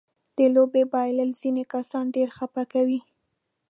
د لوبې بایلل ځينې کسان ډېر خپه کوي.